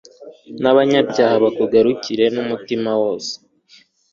n'abanyabyaha bakugarukire n'umutima wose